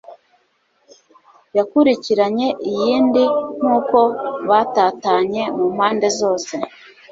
yakurikiranye iyindi nkuko batatanye mu mpande zose